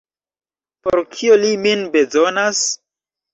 Por kio li min bezonas?